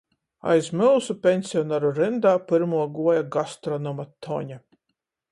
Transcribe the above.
Aiz myusu peņsionaru ryndā pyrmuo guoja gastronoma Toņa.